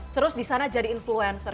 terus disana jadi influencer